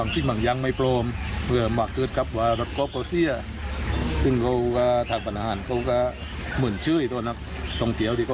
คุณคุยวิมวันวันลงพื้นที่ผู้ส